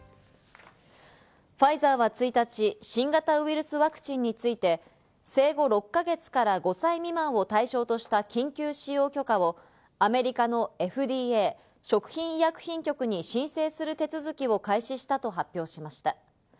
ファイザーは１日、新型ウイルスワクチンについて生後６か月から５歳未満を対象とした緊急使用許可をアメリカのＦＤＡ＝食品医薬品局に申請する手続きを開始したと発表しました。